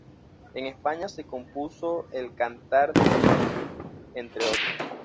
En España se compuso el "Cantar de Mío Cid", entre otros.